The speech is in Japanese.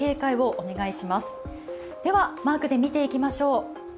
では、マークで見ていきましょう。